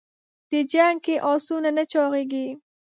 د جنګ کې اسونه نه چاغېږي.